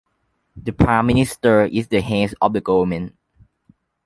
The Prime Minister is the head of the government.